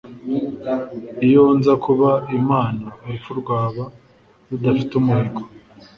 Iyo nza kuba Imana urupfu rwaba rudafite umuhigo